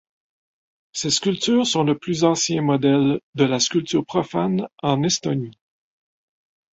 Ces sculptures sont le plus anciens modèles de la sculpture profane en Estonie.